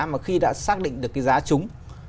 mà khi đã xác định được cái giá trúng